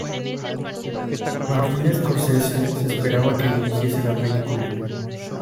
Martin Scorsese se esperaba que dirigiese la película.